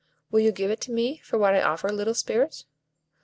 Will you give it me for what I offer, little Spirit?"